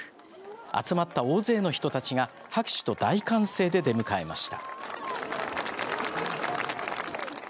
集まった大勢の人たちが拍手と大歓声で出迎えました。